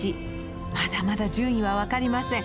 まだまだ順位は分かりません。